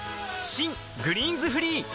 新「グリーンズフリー」